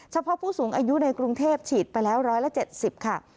เฉพาะผู้สูงอายุในกรุงเทพฉีดไปแล้ว๑๗๐ค่ะ